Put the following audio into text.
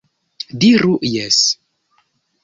Diru jes!